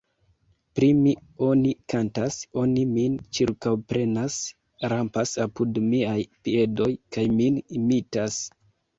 Pri mi oni kantas, oni min ĉirkaŭprenas, rampas apud miaj piedoj kaj min imitas.